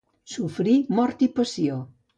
Sofrir mort i passió.